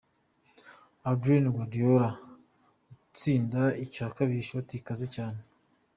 Adlene Guedioura atsinda icya kabiri ku ishoti ikaze cyane.